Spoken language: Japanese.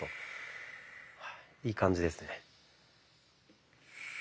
いい感じですね。